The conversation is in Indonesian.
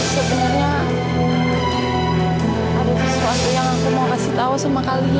sebenarnya ada sesuatu yang aku mau kasih tahu sama kalinya